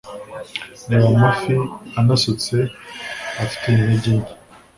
Reba amafi ananutse afite intege nke